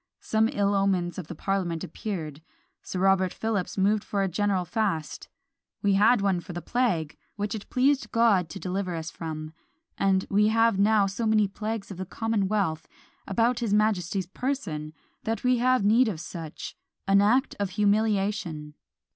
Some ill omens of the parliament appeared. Sir Robert Philips moved for a general fast: "we had one for the plague which it pleased God to deliver us from, and we have now so many plagues of the commonwealth about his majesty's person, that we have need of such, an act of humiliation."